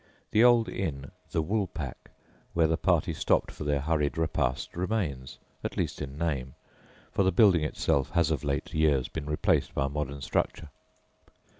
The old inn, "the Woolpack," where the party stopped for their hurried repast, remains, at least in name, for the building itself has of late years been replaced by a modern structure.